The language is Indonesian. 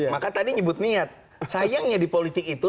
maka tadi nyebut niat sayangnya di politik itu